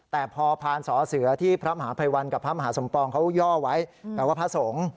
แต่พอพานสอเสือที่พระมหาภัยวันกับพระมหาสมปองเขาย่อไว้แปลว่าพระสงฆ์